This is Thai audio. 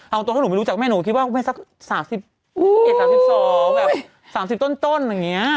เอาตัวถ้าหนูไม่รู้จักแม่หนูคิดว่าไม่สัก๓๑๓๒แบบ๓๐ต้นอย่างนี้